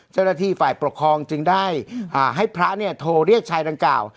เจ้าหน้าที่ฝ่ายปกครองจึงได้ให้พระเนี่ยโทรเรียกชายดังกล่าว